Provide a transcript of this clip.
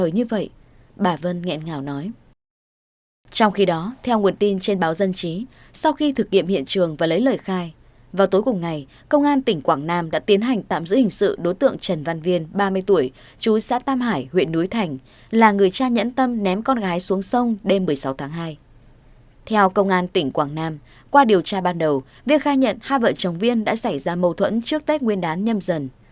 như khai nhận hai vợ chồng viên đã xảy ra mâu thuẫn trước tết nguyên đán nhâm dần